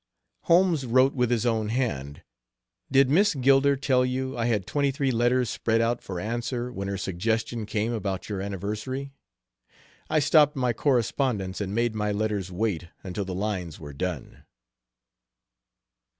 Holmes wrote with his own hand: "Did Miss Gilder tell you I had twenty three letters spread out for answer when her suggestion came about your anniversary? I stopped my correspondence and made my letters wait until the lines were done."